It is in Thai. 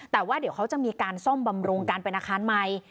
แต่ว่าเดี๋ยวเขาจะมีการซ่อมบำรุงการเป็นอาคารใหม่